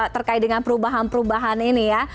terkait dengan perubahan perubahan ini ya